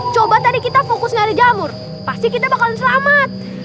coba tadi kita fokus ngalih jalur pasti kita bakalan selamat